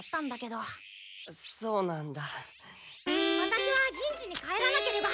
ワタシは陣地に帰らなければ。